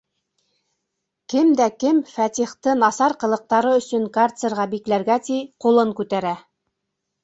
Кем дә кем Фәтихте насар ҡылыҡтары өсөн карцерға бикләргә ти, ҡулын күтәрә.